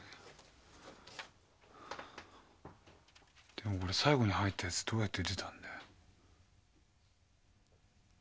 でもこれ最後に入ったやつどうやって出たんだよ。